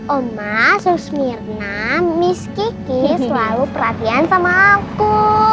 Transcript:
oma susmirna miss kiki selalu perhatian sama aku